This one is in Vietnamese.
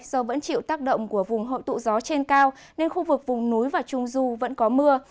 do vẫn chịu tác động của vùng hội tụ gió trên cao nên khu vực vùng núi và trung du vẫn có mưa